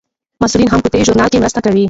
محصلین هم په دې ژورنال کې مرسته کوي.